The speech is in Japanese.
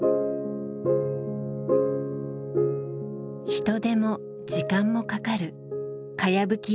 人手も時間もかかるかやぶき